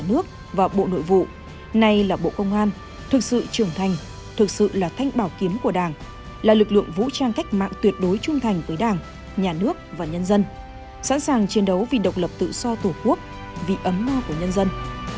đây là bộ công an thực sự trưởng thành thực sự là thanh bảo kiếm của đảng nhà nước và nhân dân